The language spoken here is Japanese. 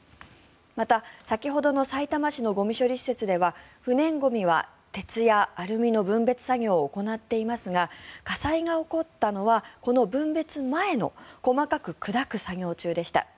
また、先ほどのさいたま市のゴミ処理施設では不燃ゴミは鉄やアルミの分別作業を行っていますが火災が起こったのはこの分別前の細かく砕く作業中でした。